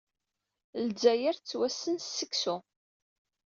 Lezzayer tettwassen s seksu.